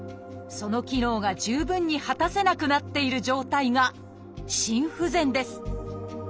その機能が十分に果たせなくなっている状態が「心不全」です。